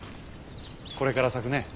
これから咲くね。